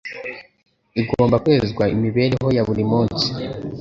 Igomba kweza imibereho ya buri munsi,